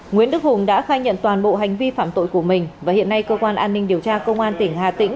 nguyễn đức hùng đã khai nhận toàn bộ hành vi phạm tội của mình và hiện nay cơ quan an ninh điều tra công an tỉnh hà tĩnh